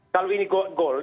kalau ini gold